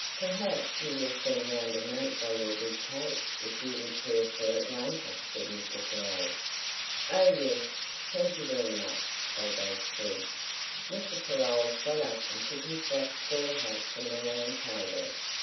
"Perhaps you will send round a note by your good Kate if you would care for it later," said Mr. Farolles. "Oh yes, thank you very much!" they both said. Mr. Farolles got up and took his black straw hat from the round table.